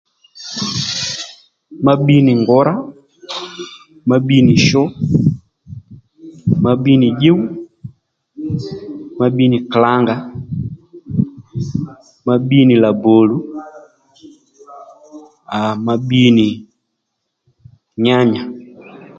Ma bbi nì ngǔrá ma bbi nì shu ma bbi nì dyúw ma bbi nì klǎngà ma bbi nì làbòlù àà ma bbi nì nyányà